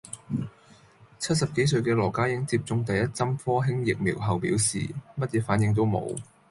七十幾歲嘅羅家英接種第一針科興疫苗後表示：乜嘢反應都冇